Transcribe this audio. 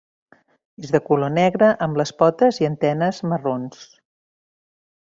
És de color negre amb les potes i antenes marrons.